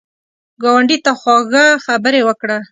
ګاونډي ته خواږه خبرې وکړه